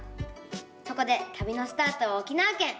そこでたびのスタートは沖縄県。